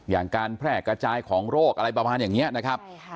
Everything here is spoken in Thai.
อย่างการแพร่กระจายของโรคอะไรประมาณอย่างนี้นะครับ